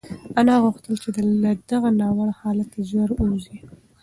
انا غوښتل چې له دغه ناوړه حالته ژر ووځي.